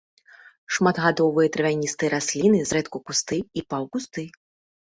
Шматгадовыя травяністыя расліны, зрэдку кусты і паўкусты.